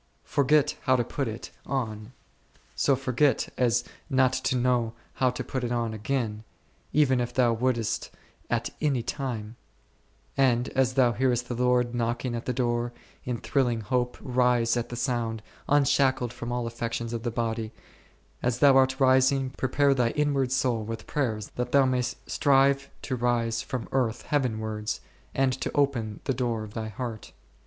Forget how to put it on, so forget as not to know how to put it on again, even if thou wouldst at any time ; and as thou hearest the Lord knocking at the door, in thrilling hope rise at the sound, unshackled from all affections of the body; as thou art rising, pre pare thy inward soul with prayers that thou mayst strive to rise from earth heavenwards, and to open the door of thy heart.